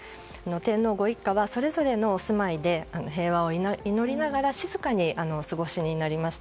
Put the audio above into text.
天皇ご一家はそれぞれのお住まいで平和を祈りながら静かにお過ごしになります。